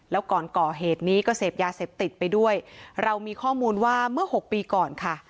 แล้วก่อนก่อเหตุนี้ก็เสพยาเสพติดไปด้วยเรามีข้อมูลว่าเมื่อหกปีก่อนค่ะ